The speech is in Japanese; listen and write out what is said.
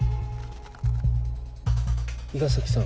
伊賀崎さん。